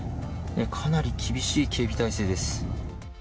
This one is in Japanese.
かなり厳しい警備態勢です。